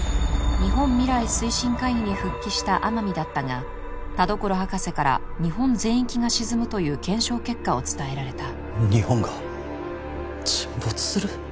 日本未来推進会議に復帰した天海だったが田所博士から日本全域が沈むという検証結果を伝えられた日本が沈没する？